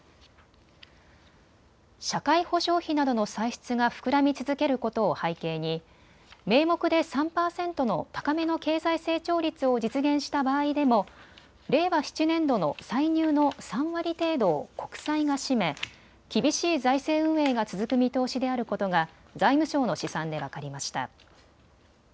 社会保障費などの歳出が膨らみ続けることを背景に名目で３％の高めの経済成長率を実現した場合でも令和７年度の歳入の３割程度を国債が占め、厳しい財政運営が続く見通しであることが財務省の試算で分かりました。